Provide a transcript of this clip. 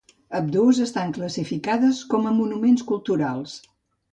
Ambdues estan classificades com a monuments culturals.